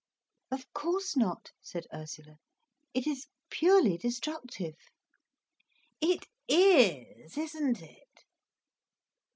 "Of course not," said Ursula. "It is purely destructive." "It is, isn't it!"